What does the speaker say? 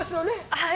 はい。